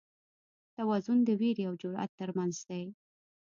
توازن د وېرې او جرئت تر منځ دی.